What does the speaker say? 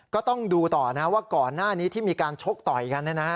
ก็ต้องดูต่อว่าก่อนหน้านี้ที่มีการชกต่อยกัน